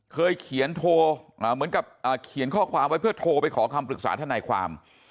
เคยเขียนโทรเหมือนกับเขียนข้อความไว้เพื่อโทรไปขอคำปรึกษาทนายความ